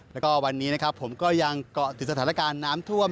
แล้วก็วันนี้นะครับผมก็ยังเกาะติดสถานการณ์น้ำท่วม